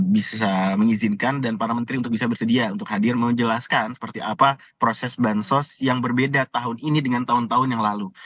bisa mengizinkan dan para menteri untuk bisa bersedia untuk hadir menjelaskan seperti apa proses bansos yang berbeda tahun ini dengan tahun tahun yang lalu